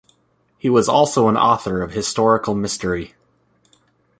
He was also an author of historical mystery.